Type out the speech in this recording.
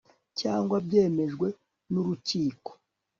cyangwa byemejwe n urukiko